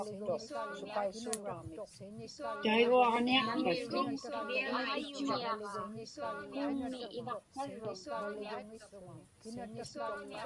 Taiguaġniaqpat?